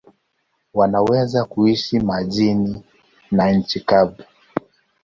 Wanaweza kuishi majini na nchi kavu.